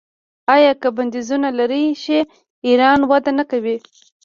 آیا که بندیزونه لرې شي ایران وده نه کوي؟